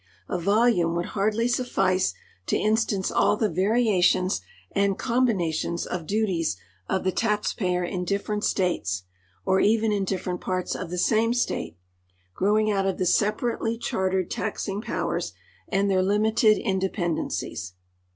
A volume would hardly suffice to instance all the variations and combinations of duties of the taxpayer in different states, or even in different j)arts of the same state, growing out of the separately chartered taxing powers and their limited independencies.